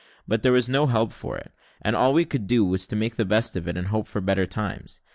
But there was no help for it, and all we had to do was to make the best of it, and hope for better times.